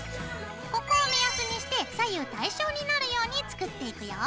ここを目安にして左右対称になるように作っていくよ。